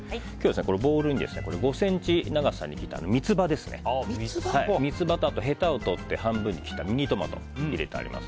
ボウルに５ｃｍ長さに切った三つ葉と、へたを取って半分に切ったミニトマトを入れてあります。